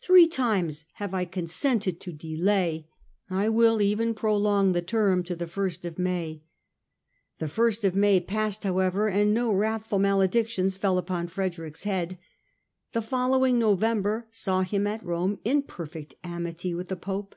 Three times have I consented to delay. I will even prolong the term to the ist of May." The 1st of May passed, however, and no wrathful maledictions fell upon Frederick's head. The following November saw him at Rome in perfect amity with the Pope.